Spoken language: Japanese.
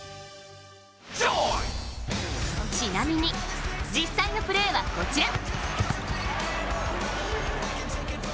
ちなみに、実際のプレーはこちら。